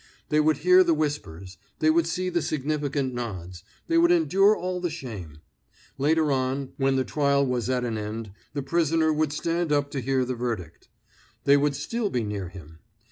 They would hear the whispers, they would see the significant nods, they would endure all the shame. Later on, when the trial was at an end, the prisoner would stand up to hear the verdict. They would still be near him.